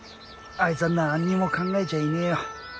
あいつは何にも考えちゃいねえよ。